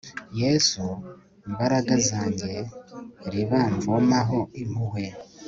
yezu mbaraga zanjye riba mvomaho impuhwe